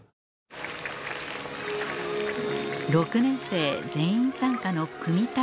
６年生全員参加の組み